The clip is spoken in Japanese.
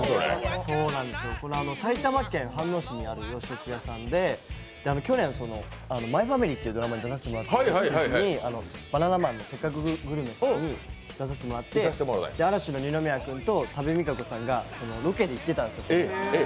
埼玉県飯能市にある洋食屋さんで去年「マイファミリー」っていうドラマに出させてもらったときにバナナマンの「せっかくグルメ！！」さんに出させてもらって嵐の二宮君と多部未華子さんがロケでここに行ってたんですよ。